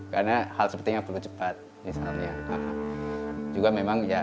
karena hal sepertinya perlu cepat